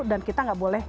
dan kita nggak boleh